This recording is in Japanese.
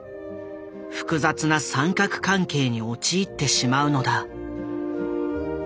複雑な三角関係に陥ってしまうのだ。